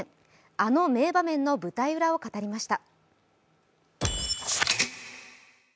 あの名場面の舞台裏を語りました。